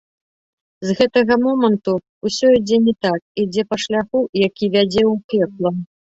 З гэтага моманту ўсё ідзе не так, ідзе па шляху, які вядзе ў пекла.